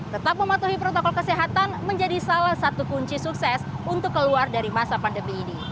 tetap mematuhi protokol kesehatan menjadi salah satu kunci sukses untuk keluar dari masa pandemi ini